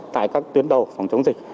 tại các tuyến đầu phòng chống dịch